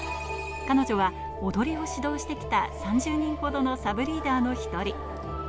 彼女は踊りを指導してきた３０人ほどのサブリーダーの１人。